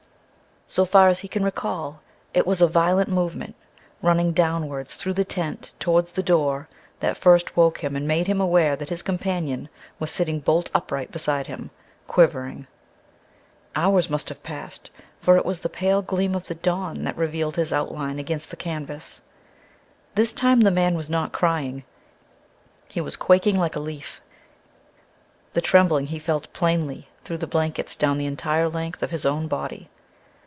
So far as he can recall, it was a violent movement, running downwards through the tent towards the door, that first woke him and made him aware that his companion was sitting bolt upright beside him quivering. Hours must have passed, for it was the pale gleam of the dawn that revealed his outline against the canvas. This time the man was not crying; he was quaking like a leaf; the trembling he felt plainly through the blankets down the entire length of his own body.